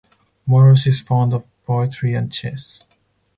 Moroz is fond of poetry and chess.